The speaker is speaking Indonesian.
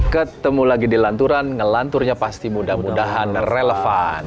ketemu lagi di lanturan ngelanturnya pasti mudah mudahan relevan